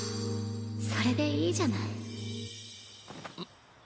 それでいいじゃないんっ。